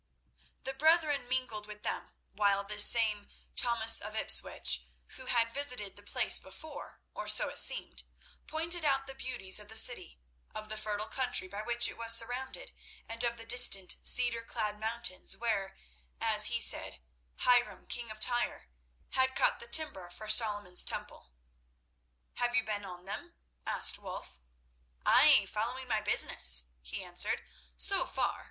The brethren mingled with them while this same Thomas of Ipswich, who had visited the place before, or so it seemed, pointed out the beauties of the city, of the fertile country by which it was surrounded, and of the distant cedar clad mountains where, as he said, Hiram, King of Tyre, had cut the timber for Solomon's Temple. "Have you been on them?" asked Wulf. "Ay, following my business," he answered, "so far."